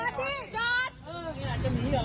เออนี่อาจจะหนีเหรอ